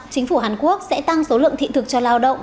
chính phủ hàn quốc sẽ tăng số lượng thị thực cho lao động